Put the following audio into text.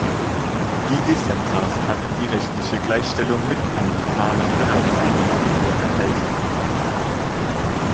Die Dissenters hatten die rechtliche Gleichstellung mit Anglikanern bereits ein Jahr früher erhalten.